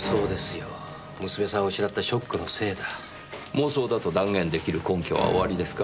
妄想だと断言できる根拠はおありですか？